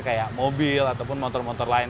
kayak mobil ataupun motor motor lain